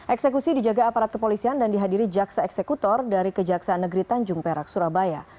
eksekusi dijaga aparat kepolisian dan dihadiri jaksa eksekutor dari kejaksaan negeri tanjung perak surabaya